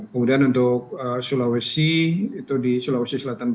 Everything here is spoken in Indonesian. kemudian untuk sulawesi itu di sulawesi selatan